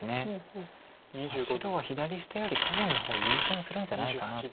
白は左下より下辺の方を優先するんじゃないかなと。